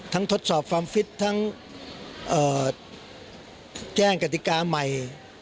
ทั้งทดสอบความฟิตทั้งแก้กติกาใหม่